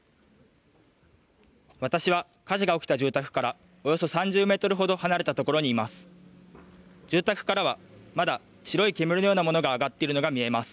私は、火事が起きた住宅からおよそ３０メートルほど離れた所にいます。